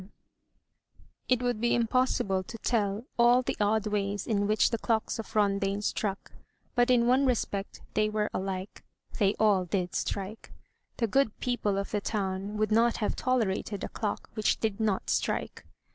MY BOOK HOUSE It would be impossible to tell all the odd ways in which the clocks of Rondaine struck; but in one respect they were alike; they all did strike. The good people of the town would not have tolerated a clock which did hot strike.